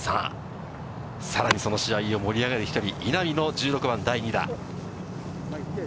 さらにその試合を盛り上げる一人、稲見の１６番第２打。